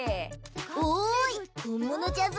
おーい本物じゃぞ？